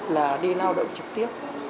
bảy mươi tám mươi là đi lao động trực tiếp